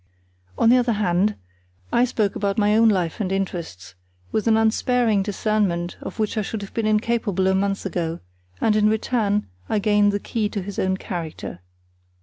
On the other hand, I spoke about my own life and interests, with an unsparing discernment, of which I should have been incapable a month ago, and in return I gained the key to his own character.